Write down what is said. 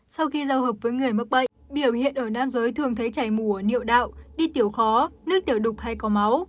sau khi giao hợp với người mắc bệnh biểu hiện ở nam giới thường thấy chảy mùa niệu đạo đi tiểu khó nước tiểu đục hay có máu